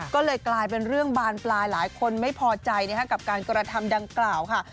ก็เลยกลายเป็นเรื่องบานปลายหลายคนไม่พอใจกับการกระทำดังกล่าวค่ะ